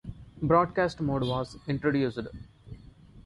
Broadcast mode was introduced.